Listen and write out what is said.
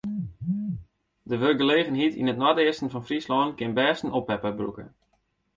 De wurkgelegenheid yn it noardeasten fan Fryslân kin bêst in oppepper brûke.